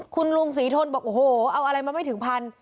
คุณลุงศรีทนบอกโอ้โหเอาอะไรมาไม่ถึงพัน